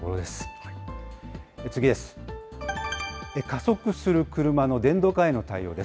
加速する車の電動化への対応です。